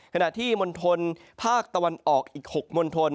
ขณะที่มณฑลภาคตะวันออกอีก๖มณฑล